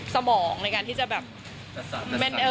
สมองในการที่จะแบบ